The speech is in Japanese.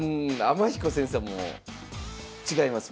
天彦先生はもう違います